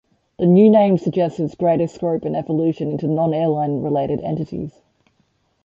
The new name suggests its greater scope and evolution into non-airline related entities.